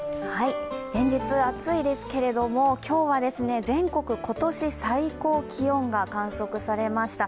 連日暑いですけれども今日は全国今年最高気温が観測されました。